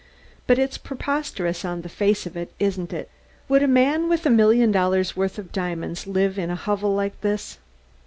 "But it's preposterous on the face of it, isn't it? Would a man with a million dollars' worth of diamonds live in a hovel like this?"